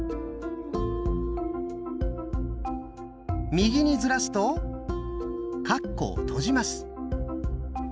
右にずらすとカッコを閉じます。